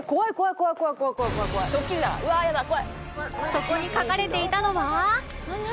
そこに書かれていたのは